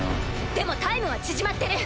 でもタイムは縮まってる。